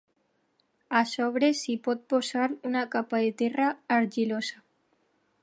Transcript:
A sobre s'hi pot posar una capa de terra argilosa.